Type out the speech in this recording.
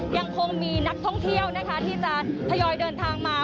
ยังคงมีนักท่องเที่ยวนะคะที่จะทยอยเดินทางมา